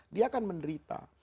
dia akan menderita